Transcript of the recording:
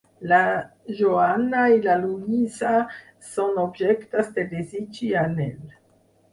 La Johanna i la Louise són objectes de desig i anhel.